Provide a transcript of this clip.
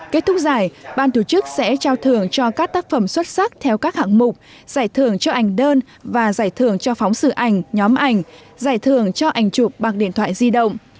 kết thúc giải ban tổ chức sẽ trao thưởng cho các tác phẩm xuất sắc theo các hạng mục giải thưởng cho ảnh đơn và giải thưởng cho phóng sự ảnh nhóm ảnh giải thưởng cho ảnh chụp bằng điện thoại di động